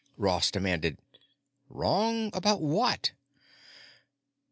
Ross demanded, "Wrong about what?"